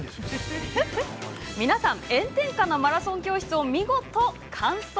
皆さん、炎天下のマラソン教室を見事、完走。